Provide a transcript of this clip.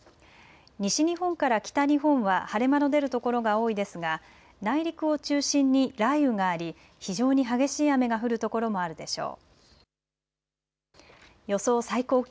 西日本から北日本は晴れ間の出る所が多いですが内陸を中心に雷雨があり非常に激しい雨が降る所もあるでしょう。